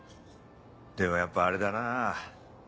でもやっぱあれだなぁ。